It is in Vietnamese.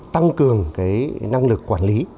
tăng cường cái năng lực quản lý